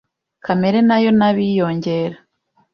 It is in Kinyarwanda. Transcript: Kamere nayo n'abiyongera